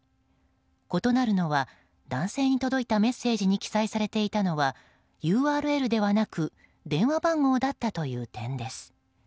異なるのは男性に届いたメッセージに記載されていたのはＵＲＬではなく電話番号だったという点です。